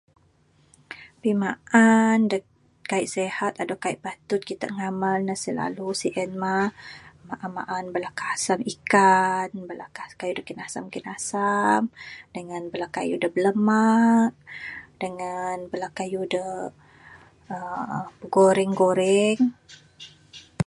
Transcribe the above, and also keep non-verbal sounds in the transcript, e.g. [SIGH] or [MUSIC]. Pimaan da kai sihat, ato da kai patut kitak ngamal ne silalu, sien mah, maan-maan bala kasam ikan, bala kayuh da kinasam-kinasam, dengan bala kayuh da bilamak, dengan bala kayuh da, aa, goreng-goreng. [NOISE]